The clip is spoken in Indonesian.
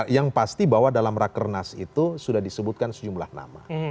yang pasti bahwa dalam rakernas itu sudah disebutkan sejumlah nama